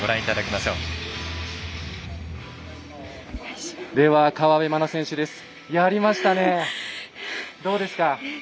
どうですか？